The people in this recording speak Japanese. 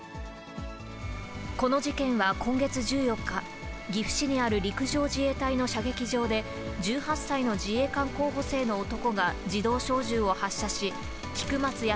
この事件は今月１４日、岐阜市にある陸上自衛隊の射撃場で、１８歳の自衛官候補生の男が自動小銃を発射し、菊松安